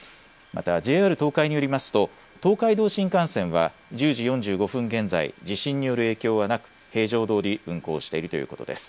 またＪＲ東海によりますと東海道新幹線は１０時４５分現在、地震による影響はなく平常どおり運行しているということです。